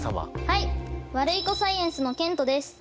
はいワルイコサイエンスのけんとです。